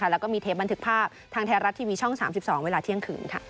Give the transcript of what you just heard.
แล้วก็มีเทปบันทึกภาพทางไทยรัฐทีวีช่อง๓๒เวลาเที่ยงคืน